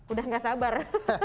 udah gak sabar